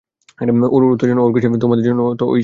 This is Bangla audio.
ওর উত্তেজনা, ওর খুশি, তোমাদের জন্য তো ওই সবকিছু।